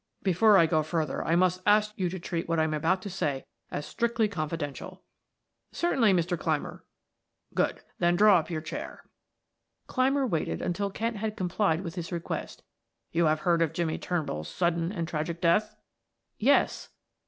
Before I go further I must ask you to treat what I am about to say as strictly confidential." "Certainly, Mr. Clymer." "Good! Then draw up your chair." Clymer waited until Kent had complied with his request. "You have heard of Jimmie Turnbull's sudden and tragic death?" "Yes."